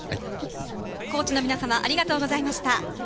コーチの皆様ありがとうございました。